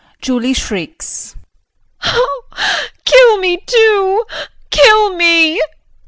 JULIE [Shrieks]. Kill me, too. Kill me!